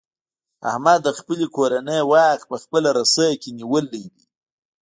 احمد د خپلې کورنۍ واک په خپله رسۍ کې نیولی دی.